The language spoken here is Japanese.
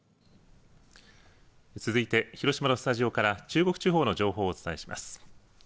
続いて、広島のスタジオから中国地方の情報をお伝えします。